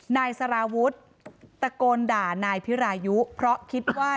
นายสาราวุธคนก่อเหตุอยู่ที่บ้านกับนางสาวสุกัญญาก็คือภรรยาเขาอะนะคะ